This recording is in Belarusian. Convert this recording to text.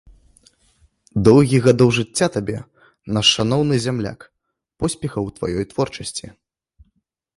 Доўгі гадоў жыцця табе, наш шаноўны зямляк, поспехах у тваёй творчасці!